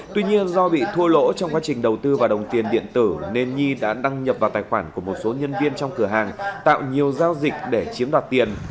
tuy nhiên do bị thua lỗ trong quá trình đầu tư vào đồng tiền điện tử nên nhi đã đăng nhập vào tài khoản của một số nhân viên trong cửa hàng tạo nhiều giao dịch để chiếm đoạt tiền